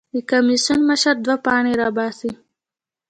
د کمېسیون مشر دوه پاڼې راباسي.